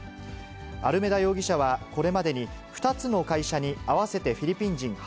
アルメダ容疑者はこれまでに２つの会社に合わせてフィリピン人８